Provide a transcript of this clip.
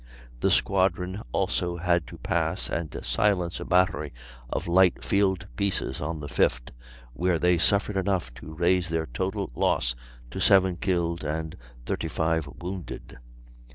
The squadron also had to pass and silence a battery of light field pieces on the 5th, where they suffered enough to raise their total loss to seven killed and thirty five wounded.